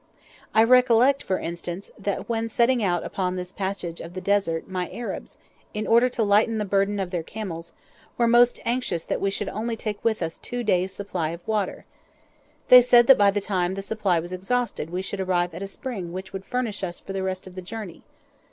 I recollect, for instance, that when setting out upon this passage of the Desert my Arabs, in order to lighten the burthen of their camels, were most anxious that we should take with us only two days' supply of water. They said that by the time that supply was exhausted we should arrive at a spring which would furnish us for the rest of the journey.